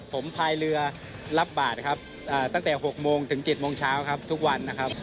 ผมพายเรือรับบาทครับตั้งแต่๖โมงถึง๗โมงเช้าครับทุกวันนะครับ